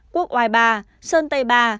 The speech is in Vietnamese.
quốc oai ba sơn tây ba